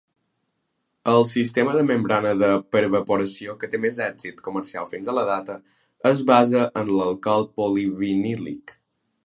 El sistema de membrana de pervaporació que té més èxit comercial fins a la data es basa en l'alcohol polivinílic.